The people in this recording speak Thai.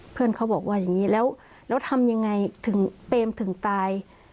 เพื่อนเขาบอกว่าอย่างนี้แล้วทำยังไงถึงเปรมถึงตาย